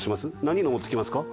何色持ってきますか？